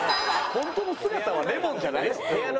ホントの姿はレモンじゃないの？